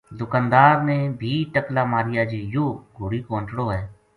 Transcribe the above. دکاندار نے بھی ٹقلا ماریا جی یوہ گھوڑی کو انٹڑو ہے